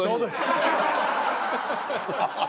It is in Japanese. ハハハハ！